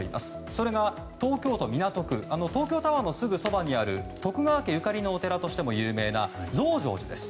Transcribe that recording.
それが、東京都港区東京タワーのすぐそばにある徳川家ゆかりのお寺としても有名な増上寺です。